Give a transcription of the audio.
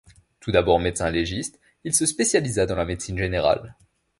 Tout d'abord médecin-légiste, il se spécialisa dans la médecine générale.